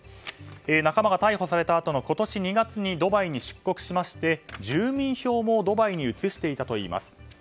仲間が逮捕されたあとの今年２月にドバイに出国しまして住民票もドバイに移していたといいます。